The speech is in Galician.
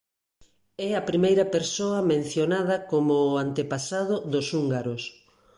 É a primeira persoa mencionada como o antepasado dos húngaros.